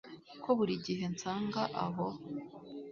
ko buri gihe nsanga aho